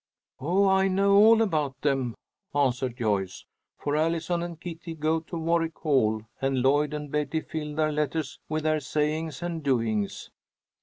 "Oh, I know all about them," answered Joyce, "for Allison and Kitty go to Warwick Hall, and Lloyd and Betty fill their letters with their sayings and doings."